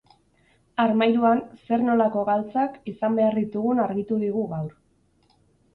Armairuan zer-nolako galtzak izan behar ditugun argitu digu gaur.